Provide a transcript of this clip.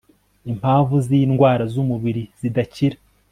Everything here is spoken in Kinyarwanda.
impamvu zindwara zumubiri zidakira